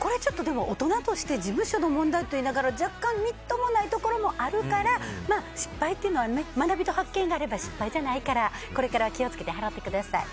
大人として事務所の問題といいながら若干みっともないところもあるから、失敗というのは学びと発見があれば失敗じゃないからこれから気を付けて払ってください。